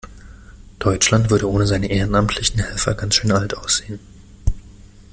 Deutschland würde ohne seine ehrenamtlichen Helfer ganz schön alt aussehen.